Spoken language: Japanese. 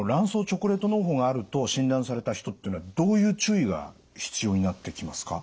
チョコレートのう胞があると診断された人っていうのはどういう注意が必要になってきますか？